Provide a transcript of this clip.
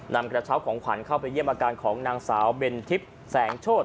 นำกระเช้าของขวัญเข้าไปเยี่ยมอาการของนางสาวเบนทิพย์แสงโชธ